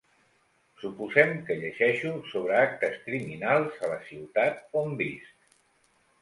Suposem que llegeixo sobre actes criminals a la ciutat on visc.